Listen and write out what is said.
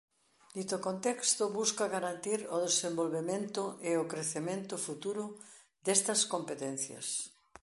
Dito contexto busca garantir o desenvolvemento e o crecemento futuro destas competencias.